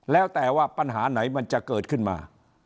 แล้วแต่ว่าปัญหาไหนมันจะเกิดขึ้นมา